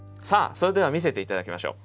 それでは見せて頂きましょう。